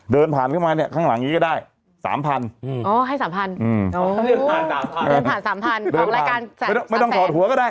เดินผ่าน๓๐๐๐บาทออกรายการ๓แฟนไม่ต้องถอดหัวก็ได้